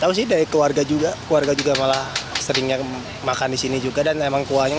tahu sih dari keluarga juga keluarga juga malah seringnya makan di sini juga dan emang kuahnya